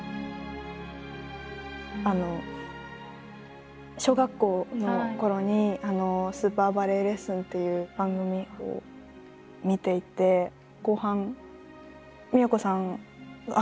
あの小学校のころに「スーパーバレエレッスン」っていう番組を見ていて後半都さんあっ